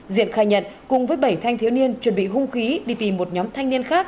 diện khai nhận cùng với bảy thanh thiếu niên chuẩn bị hung khí đi tìm một nhóm thanh niên khác